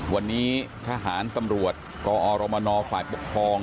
วันนี้ทหารตำรวจกอรมนฝ่ายปกครอง